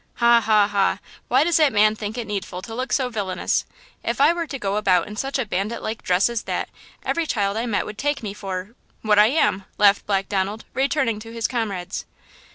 "Ha, ha, ha! Why does that man think it needful to look so villainous? If I were to go about in such a bandit like dress as that, every child I met would take me for–what I am!" laughed Black Donald, returning to his comrades.